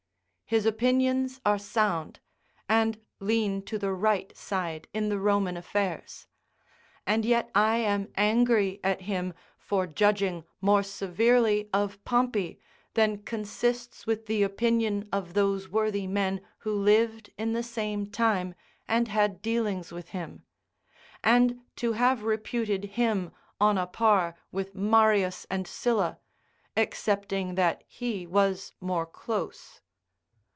His opinions are sound, and lean to the right side in the Roman affairs. And yet I am angry at him for judging more severely of Pompey than consists with the opinion of those worthy men who lived in the same time, and had dealings with him; and to have reputed him on a par with Marius and Sylla, excepting that he was more close.